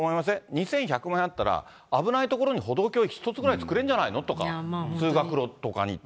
２１００万円あったら、危ない所に歩道橋１つぐらいつくれるんじゃないの？とか、通学路とかに。